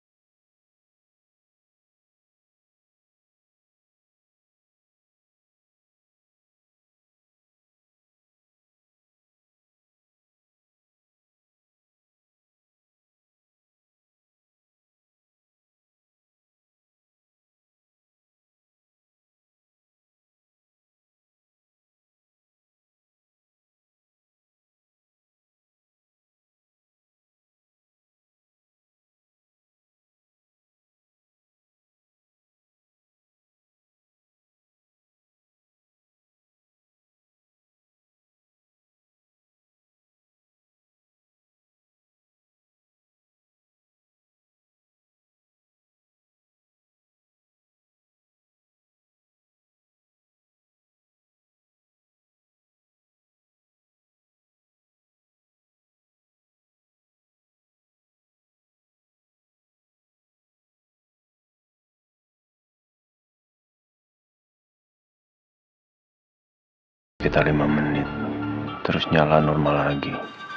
tiba tiba lima menit terus nyala normal lagi